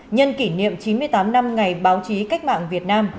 nhân kỷ niệm chín mươi tám năm ngày báo chí cách mạng việt nam